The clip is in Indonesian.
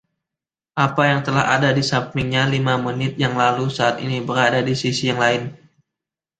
Apa yang telah ada di sampingnya lima menit yang lalu saat ini berada di sisi yang lain.